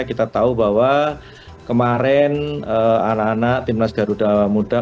kita tahu bahwa kemarin anak anak timnas indonesia